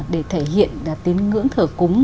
để thể hiện tín ngưỡng thờ cúng